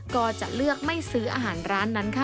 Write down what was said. ก็จะเลือกไม่ซื้ออาหารร้านนั้นค่ะ